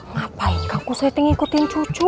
ngapain kang kusoi teng ikutin cucu